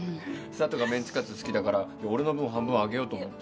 佐都がメンチカツ好きだから俺の分を半分あげようと思って。